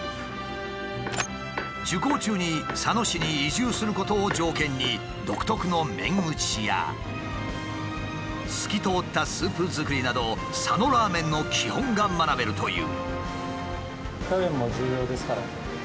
受講中に佐野市に移住することを条件に独特の麺打ちや透き通ったスープ作りなど佐野ラーメンの基本が学べるという。